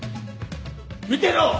見てろ！